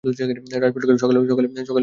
রাজপুত্রকে সকলে মিলিয়া রাজ্যে অভিষেক করিল।